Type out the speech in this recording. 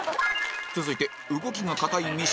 続いて、動きが硬い三島